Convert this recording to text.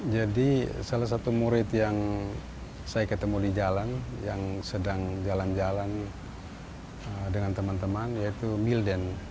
jadi salah satu murid yang saya ketemu di jalan yang sedang jalan jalan dengan teman teman yaitu milden